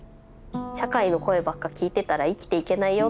「社会の声ばっか聞いてたら生きていけないよ」